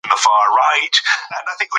مکناټن له هغه سره خبري کولې.